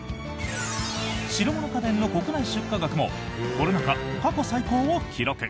白物家電の国内出荷額もコロナ禍、過去最高を記録。